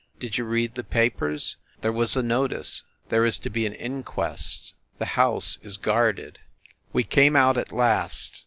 ... Did you read the papers ? There was a notice ... there is to be an inquest ... the house is guarded, We came out, at last.